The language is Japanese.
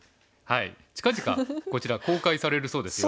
近々こちら公開されるそうですよ。